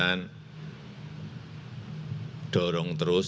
saya ingin dorong terus